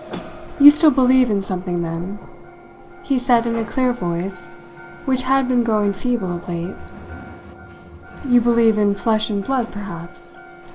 "You still believe in something, then?" he said in a clear voice, which had been growing feeble of late. "You believe in flesh and blood, perhaps?